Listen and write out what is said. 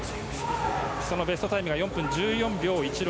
そのベストタイムが４分１４秒１６。